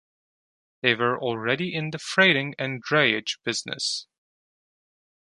They were already in the freighting and drayage business.